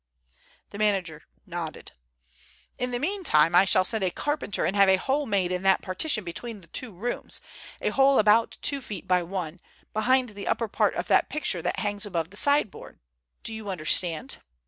The manager nodded. "In the meantime I shall send a carpenter and have a hole made in that partition between the two rooms, a hole about two feet by one, behind the upper part of that picture that hangs above the sideboard. Do you understand?"